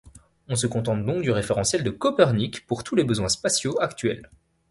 On se contente donc du référentiel de Copernic pour tous les besoins spatiaux actuels.